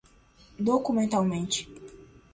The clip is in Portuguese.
documentalmente